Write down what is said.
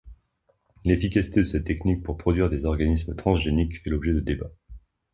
L'efficacité de cette technique pour produire des organismes transgéniques fait l'objet de débats.